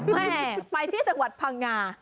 แม่ไปที่จังหวัดพังงา